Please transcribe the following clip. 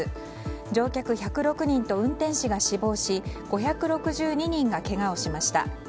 乗客１０６人と運転士が死亡し５６２人がけがをしました。